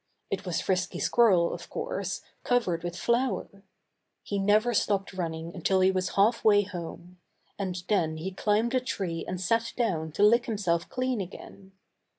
It was Frisky Squirrel, of course, covered with flour. He never stopped running until he was half way home. And then he climbed a tree and sat down to lick himself clean again.